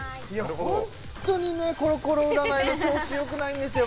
ホントにコロコロ占いの調子よくないんですよ